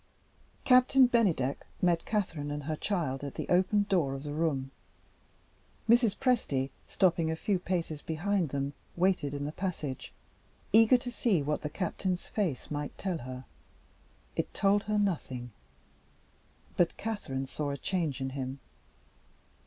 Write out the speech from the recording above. Captain Bennydeck met Catherine and her child at the open door of the room. Mrs. Presty, stopping a few paces behind them, waited in the passage; eager to see what the Captain's face might tell her. It told her nothing. But Catherine saw a change in him.